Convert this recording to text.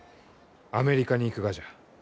アメリカに行くがじゃ。